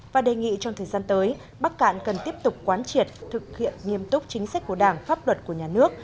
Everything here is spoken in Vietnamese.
và đề nghị trong thời gian tới bắc cạn cần tiếp tục quán triệt thực hiện nghiêm túc chính sách của đảng pháp luật của nhà nước